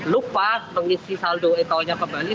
lupa mengisi saldo eto'o nya kembali